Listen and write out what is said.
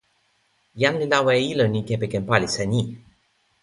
jan li lawa e ilo ni kepeken palisa ni.